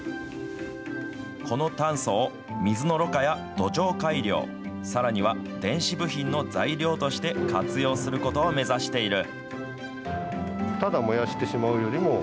この炭素を水のろ過や土壌改良、さらには電子部品の材料として、活用することを目指している。